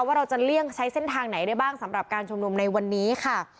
ว่าเราจะเลี่ยงใช้เส้นทางไหนได้บ้างสำหรับการชุมนุมในวันนี้ค่ะ